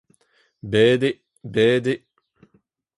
bet eo, bet eo